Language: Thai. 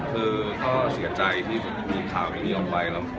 คือก็เสียใจที่มีข่าวนี้ออกไปแล้ว